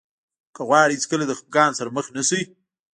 که غواړئ هېڅکله د خفګان سره مخ نه شئ.